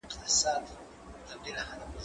زه اوږده وخت سیر کوم؟!